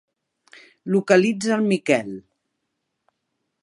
Localitza el Miquel.